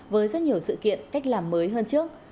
với rất nhiều sự kiện cách làm mới hơn trước